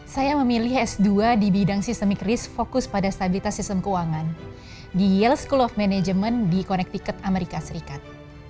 saya memilih s dua di bidang sistemik risk fokus pada stabilitas sistem keuangan di yearschool of management di connected amerika serikat